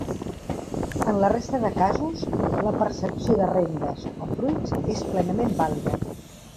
En la resta de casos, la percepció de rendes o fruits és plenament vàlida.